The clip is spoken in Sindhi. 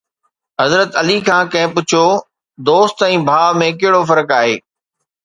حضرت علي کان ڪنهن پڇيو: دوست ۽ ڀاءُ ۾ ڪهڙو فرق آهي؟